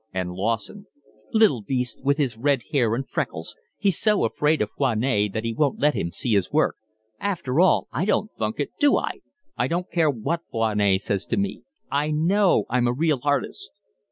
And Lawson: "Little beast, with his red hair and his freckles. He's so afraid of Foinet that he won't let him see his work. After all, I don't funk it, do I? I don't care what Foinet says to me, I know I'm a real artist."